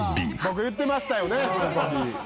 僕言ってましたよねプルコギ。